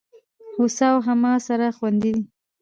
هوسا او هما سره خوندي دي.